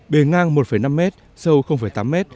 bề ngang một năm m sâu tám m